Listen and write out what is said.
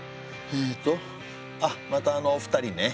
えとあっまたあのお二人ね。